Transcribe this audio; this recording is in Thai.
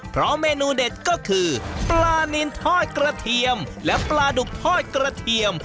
เพราะเมนูเด็ดก็คือปลานินทอดกระเทียมและปลาดุกทอดกระเทียม